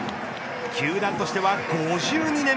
球団としては５２年